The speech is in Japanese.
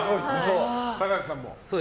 高橋さんも。